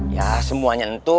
ya semuanya entu